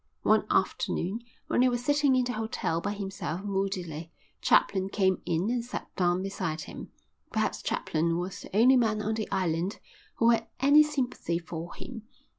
One afternoon, when he was sitting in the hotel by himself, moodily, Chaplin came in and sat down beside him. Perhaps Chaplin was the only man on the island who had any sympathy for him.